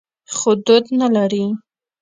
خو دود نه لري.